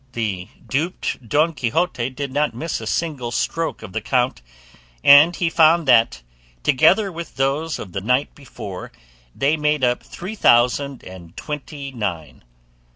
The duped Don Quixote did not miss a single stroke of the count, and he found that together with those of the night before they made up three thousand and twenty nine.